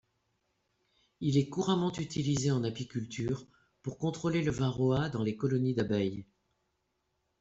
Il est couramment utilisé en apiculture pour contrôler le varroa dans les colonies d'abeilles.